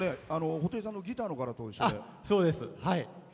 布袋さんのギターの柄と一緒で。